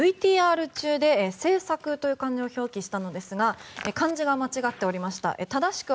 ＶＴＲ中で「せいさく」という漢字を表記したのですが漢字が間違っておりました。